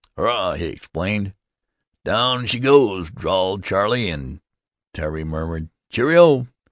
:< Hurrah!" he exclaimed. "Down she goes," drawled Charley, and Tari murmured, "Cheerio!"